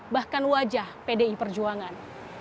bahkan wajah pdi perjuangan